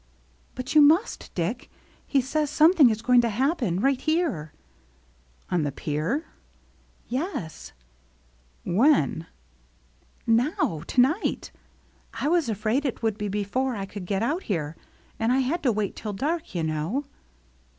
" But you must, Dick. He says something is going to happen, right here." 204 THE MERRT ANNE "On the pier?" "Yes." "When?" " Now — to night. I was afraid it would be before I could get out here. And I had to wait till dark, yoU know."